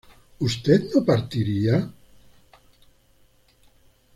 ¿usted no partiría?